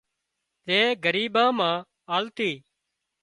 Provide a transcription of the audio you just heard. زي ڳريٻان مان آلتي